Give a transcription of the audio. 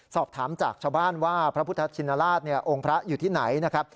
สอบถามจากชาวบ้านว่าพระพุทธชินราชองค์พระอยู่ที่ไหนนะครับ